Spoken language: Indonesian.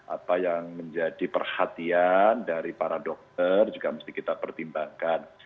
apa yang menjadi perhatian dari para dokter juga mesti kita pertimbangkan